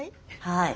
はい。